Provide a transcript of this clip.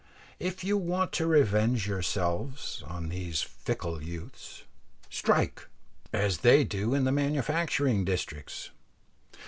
If you want to revenge yourselves on these fickle youths strike! as they do in the manufacturing districts.